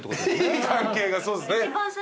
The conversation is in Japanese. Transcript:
いい関係がそうっすね。